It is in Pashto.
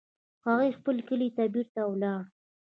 هغوی خپل کلي ته بیرته ولاړل